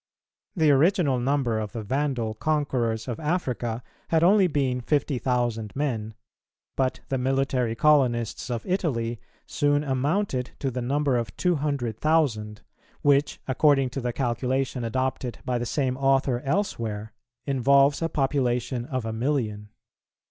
The original number of the Vandal conquerors of Africa had only been fifty thousand men, but the military colonists of Italy soon amounted to the number of two hundred thousand; which, according to the calculation adopted by the same author elsewhere, involves a population of a million.